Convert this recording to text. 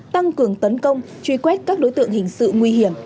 tăng cường tấn công truy quét các đối tượng hình sự nguy hiểm